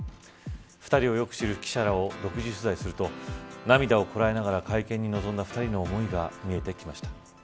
２人をよく知る記者らを独自取材すると涙をこらえながら会見に臨んだ２人の思いが見えてきました。